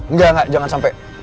nggak jangan sampai